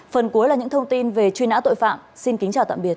phần cuối là những thông tin về truy nã tội phạm xin kính chào tạm biệt